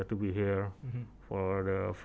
untuk berada di sini